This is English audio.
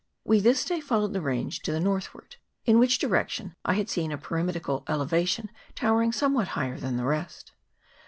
We this day followed the range to the north ward, in which direction I had seen a pyramidical elevation towering somewhat higher than the rest.